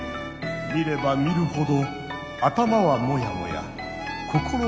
見れば見るほど頭はモヤモヤ心もモヤモヤ。